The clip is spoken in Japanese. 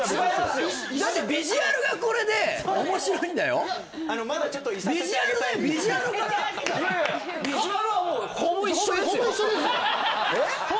よだってビジュアルがこれで面白いんだよまだちょっといさせてあげたいビジュアルでビジュアルからいやいやほぼ一緒ですよ